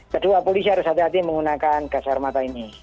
kedua polisi harus hati hati menggunakan gas air mata ini